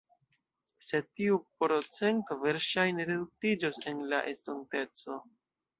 Sed tiu procento verŝajne reduktiĝos en la estonteco..